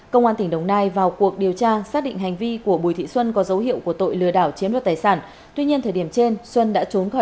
công an tỉnh đồng nai vào cuộc điều tra xác định hành vi của bùi thị xuân có dấu hiệu của tội lừa đảo chiếm đoạt tài sản